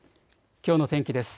きょうの天気です。